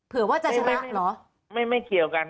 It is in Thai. เผื่อว่าจะชนะเหรอไม่ไม่เกี่ยวกัน